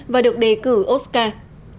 và được đề cử oscar